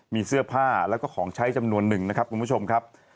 มีเสื้อผ้าแล้วก็ของใช้จำนวนหนึ่งนะครับคุณผู้ชมครับ